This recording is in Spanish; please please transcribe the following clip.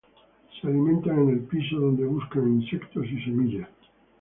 Se alimentan en el piso, donde buscan insectos y semillas.